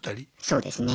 そうですね。